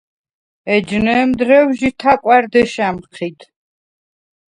ეჯნემ დრო̈ვჟი თა̈კვა̈რ დეშ ა̈მჴიდ.